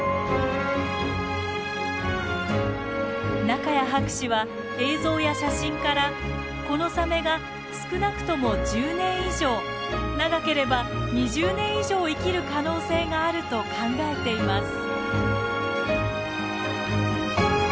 仲谷博士は映像や写真からこのサメが少なくとも１０年以上長ければ２０年以上生きる可能性があると考えています。